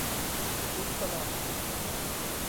ลุ้นตลอด